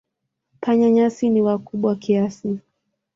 Panya-nyasi ni wakubwa kiasi.